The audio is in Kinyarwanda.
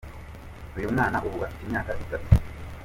Uyu mwana ubu afite imyaka itatu.